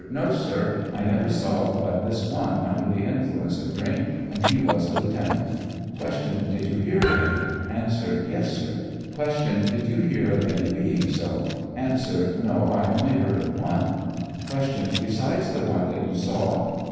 No, sir, I never saw but this one under the influ ence of drink, and he was a Lieutenant. Q. Did you hear of any ? A. Yes, sir. Q, Did you here of any being so? A. No, I only heard of one. Q. Besides the one that you saw